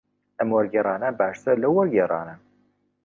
ئەم وەرگێڕانە باشترە لەو وەرگێڕانە.